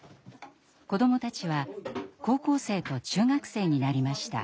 子どもたちは高校生と中学生になりました。